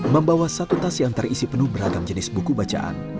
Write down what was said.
membawa satu tas yang terisi penuh beragam jenis buku bacaan